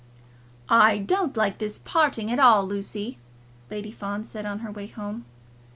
"I don't like this parting at all, Lucy," Lady Fawn said on her way home.